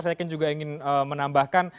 saya juga ingin menambahkan